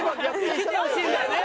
来てほしいんだよね。